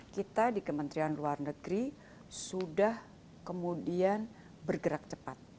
kita di kementerian luar negeri sudah kemudian bergerak cepat